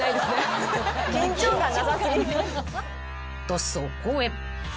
［とそこへ］